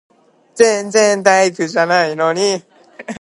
全然タイプじゃないのに